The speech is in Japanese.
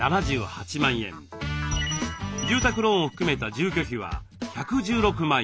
住宅ローンを含めた住居費は１１６万円。